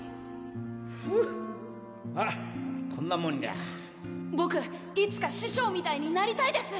ふぅまぁこんなもんにゃボクいつか師匠みたいになりたいです